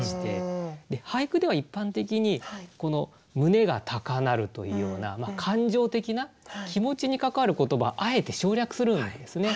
俳句では一般的に胸が高鳴るというような感情的な気持ちに関わる言葉はあえて省略するんですね。